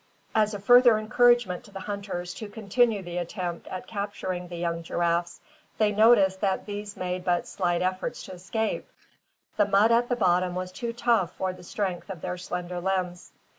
As a further encouragement to the hunters to continue the attempt at capturing the young giraffes, they noticed that these made but slight efforts to escape. The mud at the bottom was too tough for the strength of their slender limbs.